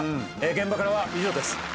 現場からは以上です。